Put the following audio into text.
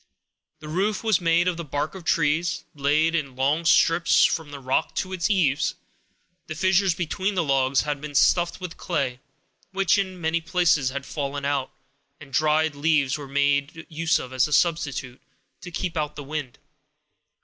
The roof was made of the bark of trees, laid in long strips from the rock to its eaves; the fissures between the logs had been stuffed with clay, which in many places had fallen out, and dried leaves were made use of as a substitute, to keep out the wind.